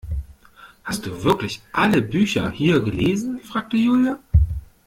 Hast du wirklich alle Bücher hier gelesen, fragte Julia.